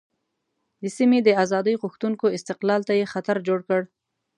د سیمې د آزادۍ غوښتونکو استقلال ته یې خطر جوړ کړ.